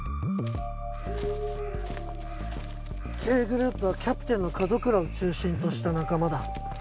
Ｋグループはキャプテンの門倉を中心とした仲間だ。